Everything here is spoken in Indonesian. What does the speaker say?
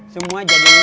semua jadi muntur